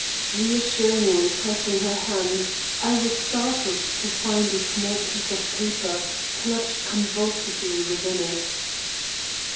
Reassuringly pressing her hand, I was startled to find a small piece of paper clutched convulsively within it.